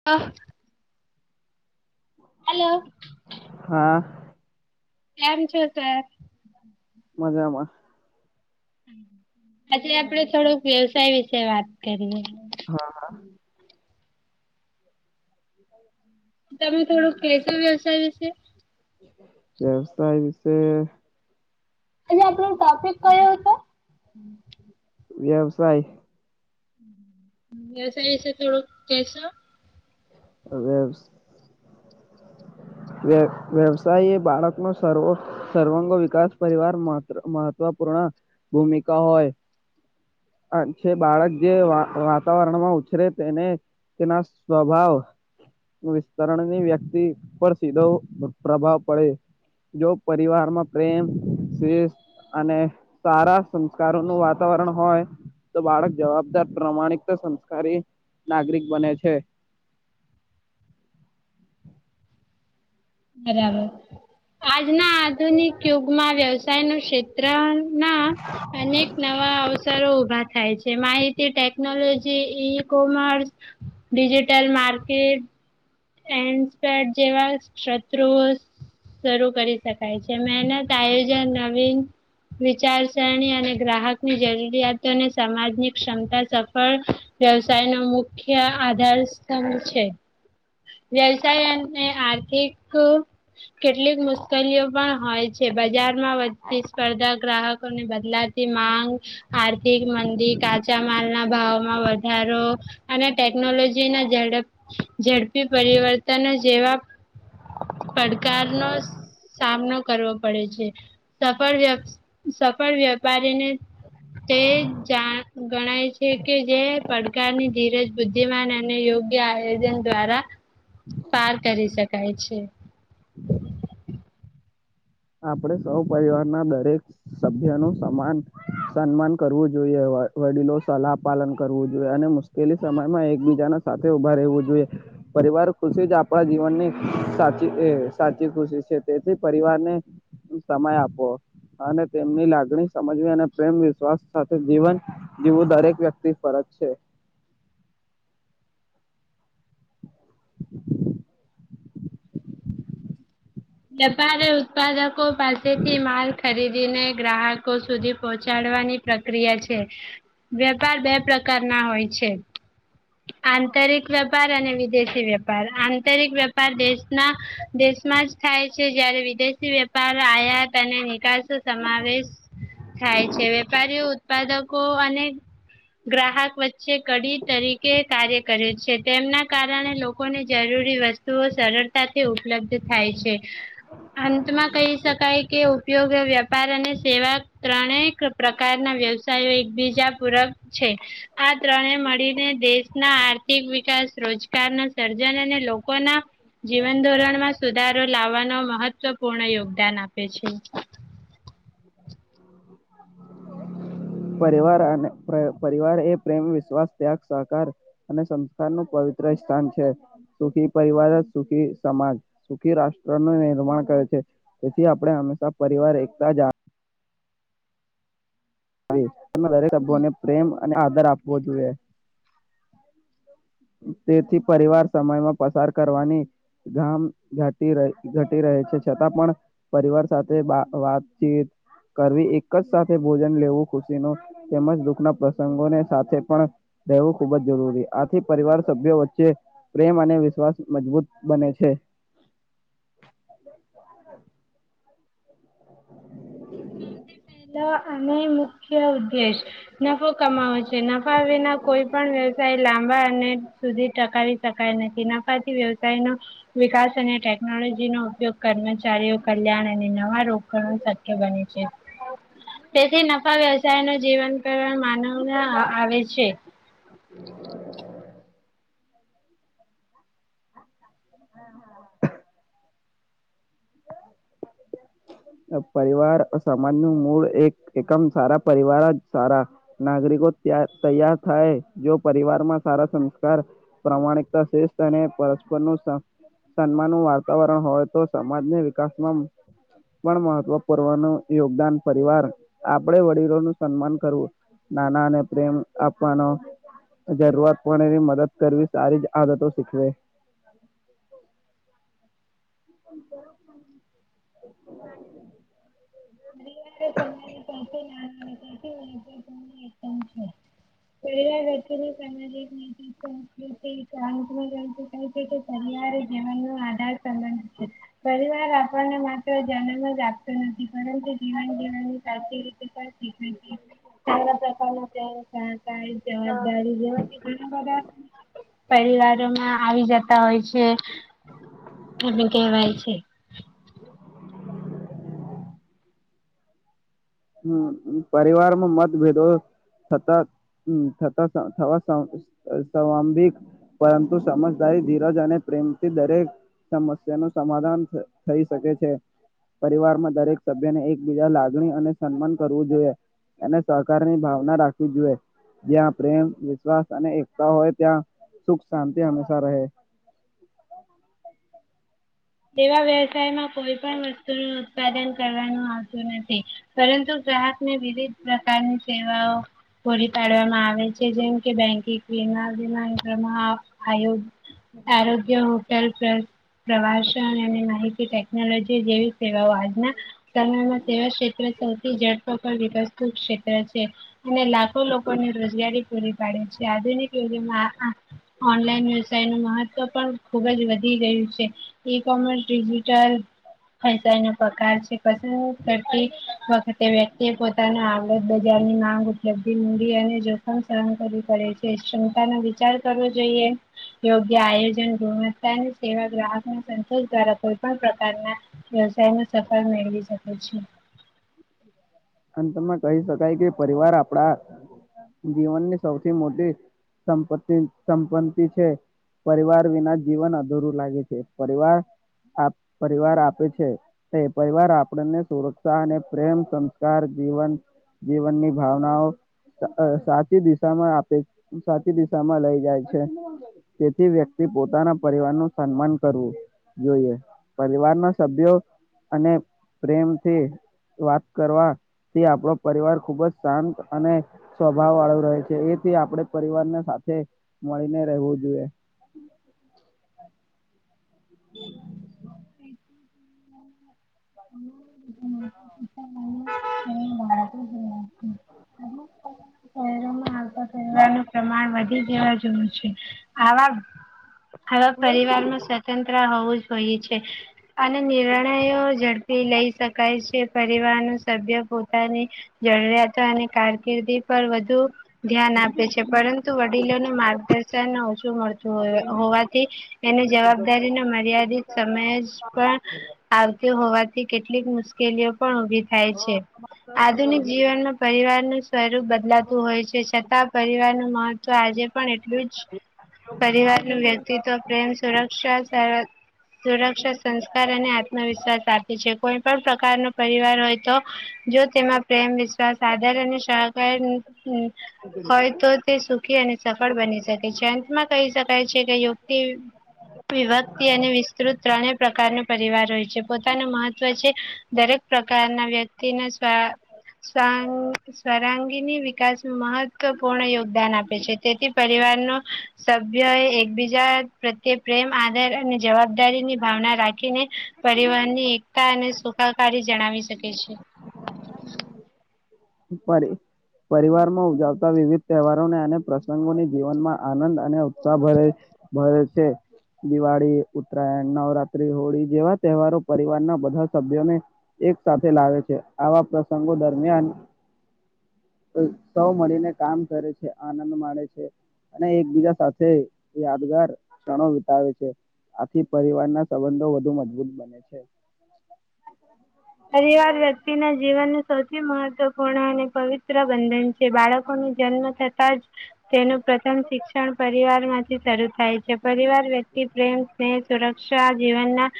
[unintelligible] Hello. હા. કેમ છો? સર. મજામાં. [inaudible] આજે આપણે થોડુક વ્યવસાય વિશે વાત કરીએ. હા, હા. [inaudible] તમે, થોડુંક કેશો વ્યવસાય વિશે? વ્યવસાય વિશે અને આપણ ટોપિક કયો હતો? [inaudible] વ્યવસાય. વ્યવસાય વિશે થોડું કહે શો. હવે વ્યવસાય એ બાળકનો સર્વો સર્વાંગો વિકાસ પરિવાર મહત્વપૂર્ણ ભૂમિકા હોય છે. બાળક જે વાતાવરણમાં ઉછરે તેને તેના સ્વભાવ વિસ્તરણની વ્યક્તિ પર સીધો પ્રભાવ પડે, જો પરિવારમાં પ્રેમ છે અને સારા સંસ્કારોનું વાતાવરણ હોય તો બાળક જવાબદાર પ્રામાણિક તો સંસ્કારી નાગરિક બને છે. બરાબર, આજના આધુનિક યુગમાં વ્યવસાયનું ક્ષેત્ર ના અનેક નવા અવસરો ઉભા થાય છે. જે માહિતી technology, e commerce, digital market એન સેટ જેવા છત્રો શરૂ કરી શકાય છે, મહેનત આયો નવીન, વિચારસરણી અને ગ્રાહકની જરૂરિયાતોને સમાજની ક્ષમતા સફળ વ્યવસાય નો મુખ્ય આધાર સ્તભ છે. વ્યવસાય અને આર્થિક કેટલીક મુશ્કેલીઓ પણ હોય છે, બજારમાં વધતી સ્પર્ધા ગ્રાહકોને બદલા તી માંગ આર્થિક મંદી, કાચા માલ ના ભાવમાં વધારો અને ટેકનોલોજીના ઝડપ થી પરિવર્તન જેવા પડકાર નો સામનો કરવો પડે છે. સફળ વ્ય સફળ વ્ય વારીને તે જાણ ગણાય કે જે પડકારની ધીરજ બુદ્ધિમાન અને યોગ્ય આયોજન દ્વારા. પાર કરી શકાય છે. આપણે સૌ પરિવારના દરેક સભ્યનું સમાન સન્માન કરવું જોઈએ, વડીલો સલાહ પાલન કરવું જોઈએ અને મુશ્કેલી સમયમાં એકબીજાના સાથે ઉભા રહેવું જોઈએ. પરિવાર ખુશી જ આપણા જીવનની સાચી ખુશી છે, તેથી પરિવારને સમય આપો અને તેમની લાગણી સમજવી અને પ્રેમ વિશ્વાસ સાથે જીવન જેવું દરેક વ્યક્તિ ફરજ છે. વ્યાપારી ઉત્પાદકો પાસેથી માલ ખરીદીને ગ્રાહકો સુધી પહોંચાડવાની પ્રક્રિયા છે. વેપાર બે પ્રકારના હોય છે. આંતરિક વેપાર અને વિદેશી વે પાર આંતરિક વેપાર દેશના દેશમાં જ થાય છે જયારે વિદેશી વેપાર આયાત અને નિકાસ સમાવેશ થાય છે વેપારીઓ ઉત્પાદકો અને ગ્રાહક વચ્ચે કડી તરીકે કાર્ય કરે છે તેમના કારણે લો કોને જરૂરી વસ્તુઓ સરળતાથી ઉપલબ્ધ થાય છે અંતમાં કહી શકાય કે ઉપયોગ વેપાર અને સેવા ત્રણેક પ્રકારના વ્યવસાયો એકબીજા પૂરક છે. આ ત્રણે મળીને દેશ ના આર્થિક વિકાસ રોજગાર ના સર્જન અને લોકો ના જીવન ધોરણમાં સુ ધારો લાવવાનો મહત્વપૂર્ણ યોગદાન આપે છે. [inaudible] પરિવાર અને પરિવાર એ પ્રેમ વિશ્વાસ ત્યાગ સહકાર અને સંસ્કાર નું પવિત્ર સ્થાન છે. સુખી પરિવાર જ સુખી સમાજ સુખી રાષ્ટ્રનું નિર્માણ કરે છે. તેથી આપડે હંમેશા પરિવાર એકતા જ દરેક સભ્યોને પ્રેમ અને આદર આપવો જોઈએ. તેથી પરિવાર સમયમાં પસાર કરવાની ગામ ઘાટી ઘટી રહે છે છતાં પણ પરિવાર સાથે વાતચીત કરવી એક જ સાથે ભોજન લેવું ખુશી ને તેમજ દુઃખના પ્રસંગોને સાથે પણ રહેવું ખુબ જ જરૂરી આ થી પરિવાર સભ્યો વચ્ચે પ્રેમ અને વિશ્વાસ મજબૂત બને છે. [inaudible] [unintelligible] અને મુખ્ય ઉદ્દેશ નફો કમાવે છે નફા વિના કોઈ પણ વ્યવસાય લાંબા અને સુધી ટકાવી શકાય નથી નફાથી વ્યવસાય નો વિકાસ અને ટે નોલોજી નો ઉપયોગ કર્મચારીઓ કલ્યાણ અને નવા રોગણો સત્ય બને છે. તેથી નફા વ્યવસાય નુ જીવન માનવ આવે છે. પરિવાર સમાજ નું મૂળ એક એકમ સારા પરિવાર જ સારા નાગરિકો ત તૈયાર થાય જો પરિવારમાં સારા સંસ્કાર પ્રામાણિકતા શ્રેષ્ઠ અને પરસ્પર નું સ સન્માન નું વાતાવરણ હોય તો સમાજને વિકાસમાં પણ મહત્વપૂર્વા ન યોગદાન પરિવાર આપણે વડીલો નું સન્માન કરવું ના, ના ને પ્રેમ આપવાનો જરૂરત પડે એની મદદ કરવી સારી જ આદતો શીખવે પરિવાર એ તમારી [unintelligible] એ પણ છે. પલા પ્ર માહ ચ ન કેિવારે જીવન ન આધાર પરિવાર આપણને માત્ર જન્મ જ આપતો નથી પરંતુ જીવન જીવવા ની સાચી રીત પણ શીખવે છે. [unintelligible] જવાજદારી જેવા ઘણા બધા. પરિવારો માં આવી જતા હોય છે. એને કેહેવાય છે. [inaudible] હમ પરિવારમાં મતભેદો. થતા, થતા થવા સ્વાભિક. પરંતુ સમજદારી ધીરજ અને પ્રેમથી દરેક સમસ્યા નું સમાધાન થઈ શકે છે. પરિવારમાં દરેક સભ્ય ને એકબીજા લાગણી અને સન્માન કરવું જોઈએ અને સહકારની ભાવના રાખવી જોઈએ જ્યાં પ્રેમ વિશ્વાસ અને એકતા હોય ત્યાં સુખ શાંતિ હંમેશા રહે તેવા વ્યવસાયમાં કોઈ પણ વસ્તુ નું ઉત્પાદન કરવાનું આવતું નથી પરંતુ ગ્રાહક ને વિવિધ પ્રકારની સેવાઓ પરી પાડવામાં આવે છે. જેમ કે બેંકિક વીમા વમા આ આરોગ્ય હોટલ પ્રવાસ શિક માહિતી ટેકનોલોજી જેવી સેવાઓ આજના સમમાં સેવા ક્ષેત્ર સૌથીડપ વિકાસ ક્ષેત્ર છે. અને લાખો લોકોને રોજગારી પૂરી પાડે છે. આધુનિક યુગમાં ઓનલાઈન વ્યવસાય નું મહત્વ પણ ખુબ જ વધી રહયું છે. એ કોમે ડિજિટલ ચાઈ નો પગ છે પસંદ કરતી વખતે વ્યક્તિ પોતાનો આત બજારની માંગ દી મૂડી અને જોખમ સહન કરવવી પડે છે ક્ષમતાનો વિચાર કરવો જોઈએ યોગ્ય આયોજન ગુણવત્તાની સેવા ગ્રાહક સોષ દ્વારા કોઈ પણ પ્રકારના વ્યવસાય સફળ મેળવી શકે છે. અને તમાં કહી શકાય કે પરિવાર આપડા જીવનની સૌથી મોટી સંપત્તિ સંપત્તિ છે. પરિવાર વિના જીવન અધૂરું લાગે છે પરિવાર પરિવાર આપે છે એ પરિવાર આપણને સુરક્ષા અને પ્રેમ જીવન, જીવનની ભાવનાઓ સાચી દિશામાં આપે સાચી દિશામાં લઈ જાય છે. તેથી વ્યક્તિ પોતાના પરિવાર નું સન્માન કરવું જોઈએ પરિવાર ના સભ્યો અને પ્રેમથી વાત કરવા થી આપણો પરિવાર ખુબ જ શાંત અને સ્વભાવ વાળો રહે છે એથી આપડે પરિવારને સાથે મળીને રહેવું જોઈએ [inaudible] [inaudible] હા વધીવા છે આ આવા પરિવારમાં સ્વતંત્ર હોવું જ હોઈએ છે અને નિર્ણયો ઝડપ તે લઈ શકાય છે પરિવાર ના સભ્ય પોતાની જરૂરિયાતો અને કારકિર્દી પર વધુ ધ્યાન આપે છે. પરંતુ વડીલોને માર્ગદર્શન ઓછું મળતું હોવાથી એની જવાબદારી મર્યાદિત સમય પણ આવત હોવાથી કેટલીક મુશ્કેલીઓ પણ ઉભી થાય છે. આધુનિક જીવનમાં પરિવાર નું સ્વરૂપ બદલાતું હોય છે છતાં પરિવારનું મહત્વ આજે પણ એટલું જ પરિવાર નું વ્યક્તિત્વ કે તેમની સુરક્ષા સાર્વ સુરક્ષા, સંસ્કાર અને આત્મવિશ્વાસ પાદ તે છે કોઈ પણ પ્રકાર નો પરિવાર હોય તો જો તેમાં પ્રેમ, વિશ્વાસ, આધર અને સહકાર ની હોય તો તે સુખી અને સફળ બની શકે છે, અંતમાં કહી શકાય છે કે યુક્તિ વિભક્તિ અને વિસ્તૃત ત્રણેય પ્રકારનો પરિવાર હોય છે, પોતાનું મહત્વ છે દરેક પ્રકારના વ્યક્તિને સ્વા સ્વાન્ગ સરાંગીની વિકાસ મહત્વપૂર્ણ યોગ દાન આપે છે તેથી પરિવારનો સભ્ય એ એકબીજા પ્રત્યે પ્રેમ, આદર અને જવાબદારીની ભાવના રાખીને પરિવહનની એકતા અને સુખાકારી જણાવી શકે છે. પડે પરિવાર માં ઉજવતા વિવિધ તહેવારોને અને પ્રસંગોની જીવનમાં આનંદ અને ઉત્સાહ ભરે છ. ભરે છે. દિવાળી, ઉત્તરાયણ, નવરાત્રી, હોળી જેવા તહેવારો પરિવારના બધા સભ્યોને એક સાથે લાવે છે આવા પ્રસંગો દરમિયાન ઐ સૌ મળીને કામ કરે છે આનંદ માને છે. અને એકબીજા સાથે યાદગાર ક્ષણો વિતાવે છે. આથી પરિવાર ના સંબંધો વધુ મજબૂત બને છે. [unintelligible] પરિવાર વ્યક્તિના જીવનનું સૌથી મહત્વપૂર્ણ અને પવિત્ર બંધન છે બાળકોને જન્મ થતા જ તેનું પ્રથમ શિક્ષણ પરિવાર માંથી શરૂ થાય છે પરિવાર વ્યક્તિ પ્રેમ તે સુરક્ષા જીવનના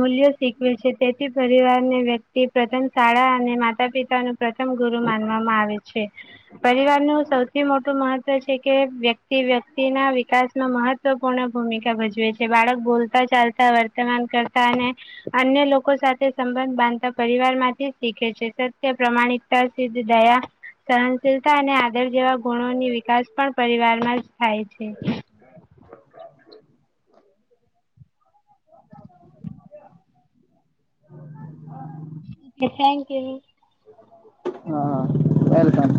મૂલ્યો શીખવે છે. તે પરિવારની વ્યક્તિ પ્રથમ શાળા અને માતા પિતા નું પ્રથમ ગુરુ માનવામાં આવે છે. પરિવાર નું સૌથી મોટું મહત્વ છે કે વ્યક્તિ વ્યક્તિ ના વિકાસમાં મહત ત્વ મહવપૂર્ણ ભૂમિકા ભજવે છે, બાળક બોલતા ચાલતા વર્તમાન કરતા અને અન્ય લોક લોકો સાથે સંબંધ બાંધતા પરિવાર માંથી શીખે છે, સત્ય પ્રમાણિકતા સિધ દયા સહનશીલતા અને આદર જેવા ગુણોની વિકાસ પણ પરિવારમાં જ થાય છે. [unintelligible] કે થેન્ક યુ. હા વેલકમ.